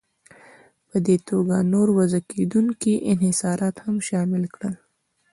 په دې توګه نور وضع کېدونکي انحصارات هم شامل کړل.